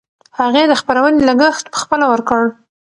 هغې د خپرونې لګښت پخپله ورکړ.